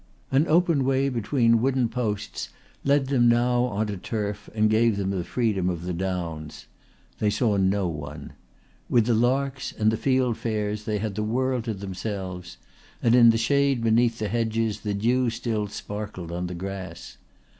An open way between wooden posts led them now on to turf and gave them the freedom of the downs. They saw no one. With the larks and the field fares they had the world to themselves; and in the shade beneath the hedges the dew still sparkled on the grass.